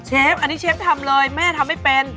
ฟอันนี้เชฟทำเลยแม่ทำไม่เป็น